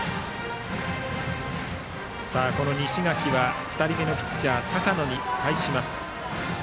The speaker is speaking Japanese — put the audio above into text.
西垣は２人目のピッチャー高野に対します。